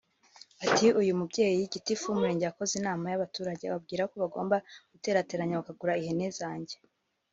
Ati “Uyu mubyeyi [gitifu w’umurenge] yakoze inama y’abaturage ababwira ko bagomba guterateranya bakagura ihene zanjye